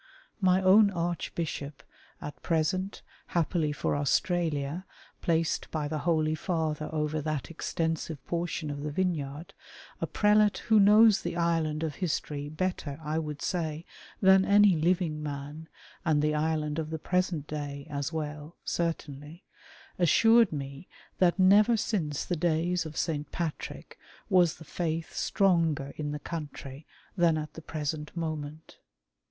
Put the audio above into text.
My own Archbishop — at present, happily for Australia, placed by the Holy Father over that extensive portion of the vineyard — a Prelate who knows the Ireland of history better, I would say, than any living mnn, and the Ireland of the pi esent day, as well, certainly, assured me that nevei' since the days of St. Patrick was the Faith stronger in the country than at the present moment.